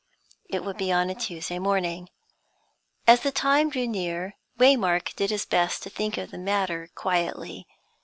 It would be on a Tuesday morning. As the time drew near, Waymark did his best to think of the matter quietly.